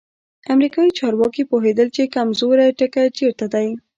امریکایي چارواکي پوهېدل چې کمزوری ټکی چیرته دی.